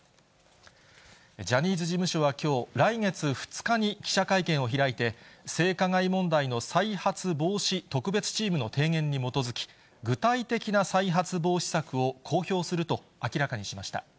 ジャニーズ事務所はきょう、来月２日に記者会見を開いて、性加害問題の再発防止特別チームの提言に基づき、具体的な再発防止策を公表すると明らかにしました。